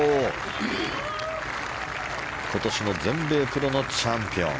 今年の全米プロのチャンピオン。